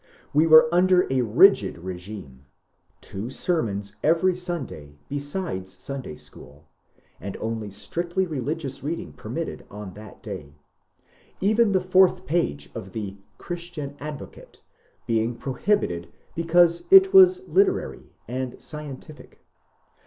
We were under a rigid regime : two sermons every Sunday besides Sunday school ; and only strictly religious reading permitted on that day, — even the fourth page of the " Christian Advocate " being pro hibited because it was literary and scientific.